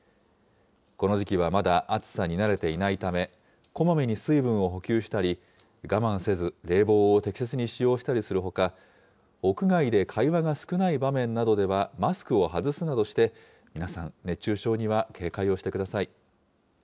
この時期は、まだ暑さに慣れていないため、こまめに水分を補給したり、我慢せず、冷房を適切に使用したりするほか、屋外で会話が少ない場面などでは、マスクを外すなどして、皆さん、熱中症には警戒をしてください。